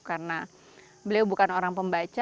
karena beliau bukan orang pembaca